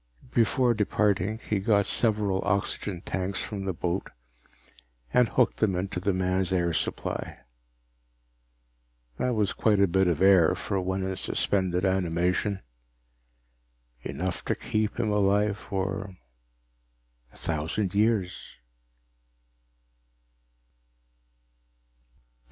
Before departing, he got several oxygen tanks from the boat and hooked them into the man's air supply. That was quite a bit of air for one in suspended animation. Enough to keep him alive for a thousand years.